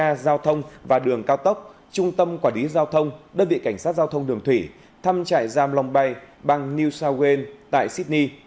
các nhà giao thông và đường cao tốc trung tâm quản lý giao thông đơn vị cảnh sát giao thông đường thủy thăm trại giam long bay bang new south wales tại sydney